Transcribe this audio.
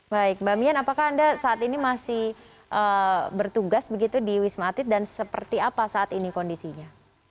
baik mbak mian apakah anda saat ini masih bertugas begitu di wisma atlet dan seperti apa saat ini kondisinya